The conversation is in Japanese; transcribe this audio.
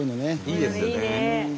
いいですよね。